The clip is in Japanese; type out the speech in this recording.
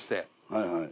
はいはい。